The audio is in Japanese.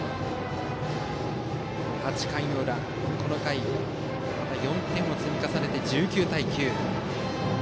８回裏、この回４点を積み重ねて１９対９。